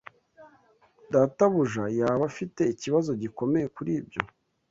Databuja yaba afite ikibazo gikomeye kuri ibyo.